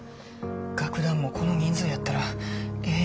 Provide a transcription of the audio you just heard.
楽団もこの人数やったらええ